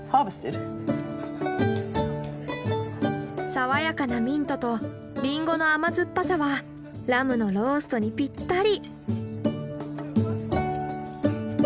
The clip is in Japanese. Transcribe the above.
爽やかなミントとリンゴの甘酸っぱさはラムのローストにぴったり。